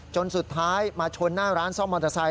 จนสุดท้ายมาชนหน้าร้านซ่อมมอเตอร์ไซค